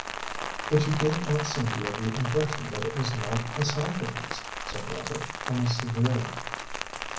"But you gave Aunt Cynthia the impression that it was not a sacrifice," said Robert, almost severely.